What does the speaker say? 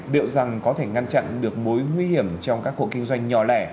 liệu rằng có thể ngăn chặn được mối nguy hiểm trong các hộ kinh doanh nhỏ lẻ